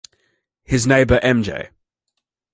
His neighbor M. J.